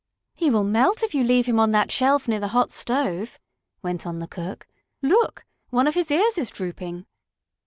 "He will melt if you leave him on that shelf near the hot stove," went on the cook. "Look, one of his ears is drooping!"